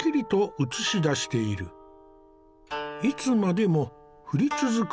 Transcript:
いつまでも降り続く